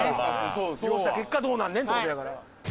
結果どうなんねんって事やから。